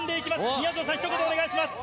みやぞんさん、ひと言、お願いします。